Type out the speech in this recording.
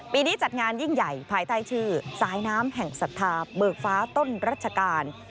นี้จัดงานยิ่งใหญ่ภายใต้ชื่อสายน้ำแห่งศรัทธาเบิกฟ้าต้นรัชกาล